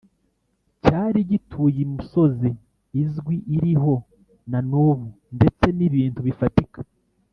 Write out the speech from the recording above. cyari gituye imisozi izwi iriho na n ubu ndetse n ibintu bifatika